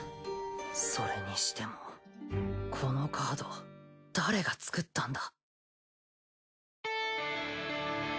それにしてもこのカード誰が作ったんだ？